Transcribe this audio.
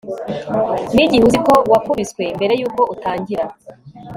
nigihe uzi ko wakubiswe mbere yuko utangira